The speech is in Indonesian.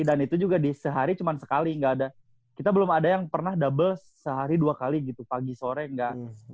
dan itu juga di sehari cuman sekali gak ada kita belum ada yang pernah double sehari dua kali gitu pagi sore gak